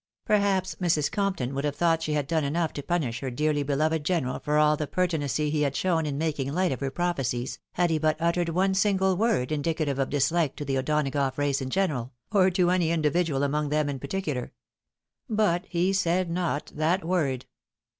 Perhaps Mrs. Compton would have thought she had done enough to punish her dearly beloved general for all the pertinacy he had shown in making light of her prophe cies, had he but uttered one single word indicative of dislike to the O'Donagough race in general, or to any individual among them in particular. But he said not that word.